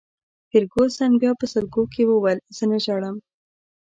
فرګوسن بیا په سلګیو کي وویل: زه نه ژاړم.